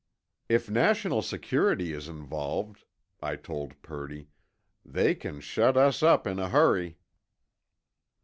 "If national security is involved," I told Purdy, "they can shut us up in a hurry."